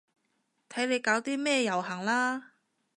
睇你搞啲咩遊行啦